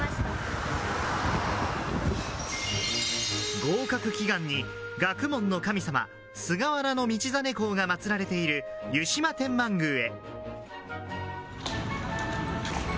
合格祈願に学問の神様・菅原道真公が祀られている湯島天満宮へ。